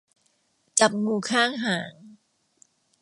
จับงูข้างหาง